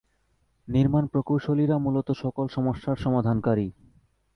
নির্মাণ প্রকৌশলীরা মূলত সকল সমস্যার সমাধান কারী।